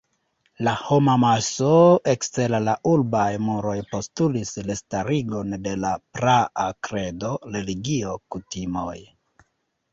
La homamaso ekster la urbaj muroj postulis restarigon de la praa kredo, religio, kutimoj.